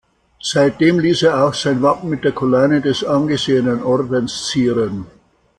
Seitdem ließ er auch sein Wappen mit der Collane des angesehenen Ordens zieren.